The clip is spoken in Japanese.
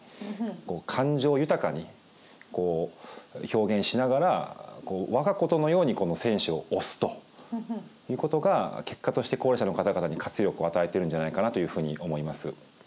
感情豊かに表現しながら我がことのように選手を推すということが結果として高齢者の方々に活力を与えてるんじゃないかなというふうに思います。